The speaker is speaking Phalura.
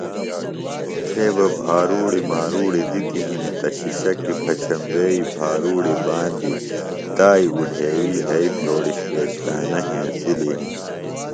تھے بہ بھاروڑیۡ ماروڑیۡ دِتیۡ ہنیۡ تہ شِشکیۡ پچھمبئی بھاروڑیۡ باندیۡ تائیۡ اُڈھیوِیۡ یھئیۡ بھیوڑش پیشتانہ ہینسلیۡ ہنیۡ